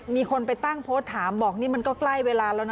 มีคนไปตั้งโพสต์ถามบอกนี่มันก็ใกล้เวลาแล้วนะ